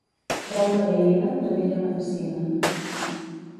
Brou de gallina, la millor medecina.